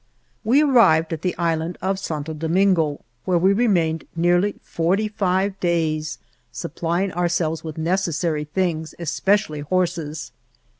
We arrived at the Island of Santo Domingo, where we remained nearly forty five days, supplying ourselves with necessary things, especially horses.